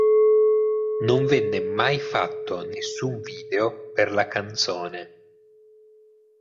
Non venne mai fatto nessun video per la canzone.